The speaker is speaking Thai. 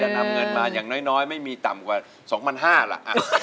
เดี๋ยวตรีจะนำเงินมาอย่างน้อยไม่มีต่ำกว่า๒๕๐๐บาทละ